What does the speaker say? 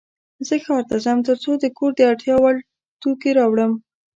زه ښار ته ځم ترڅو د کور د اړتیا وړ توکې راوړم.